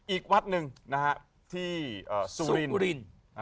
อีกวัดหนึ่งนะฮะที่สุรินทร์